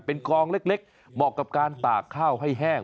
เป็นกองเล็กเหมาะกับการตากข้าวให้แห้ง